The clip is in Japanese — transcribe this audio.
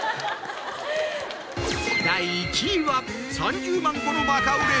第１位は３０万個のバカ売れ。